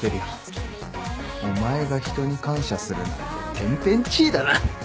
お前が人に感謝するなんて天変地異だな。